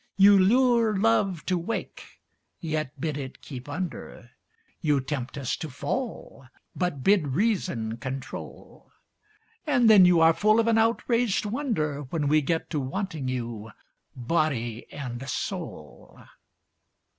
You lure love to wake, yet bid it keep under, You tempt us to fall, but bid reason control; And then you are full of an outraged wonder When we get to wanting you, body and soul.